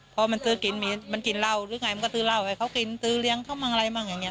พอมันซื้อกินมันกินเหล้าหรือไงมันก็ซื้อเหล้าให้เขากินตื้อเลี้ยงเขามั่งอะไรมั่งอย่างนี้